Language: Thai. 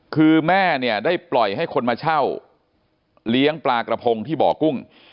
คือแม่เนี่ยได้ปล่อยให้คนมาเช่าเลี้ยงปลากระพงที่บ่อกุ้ง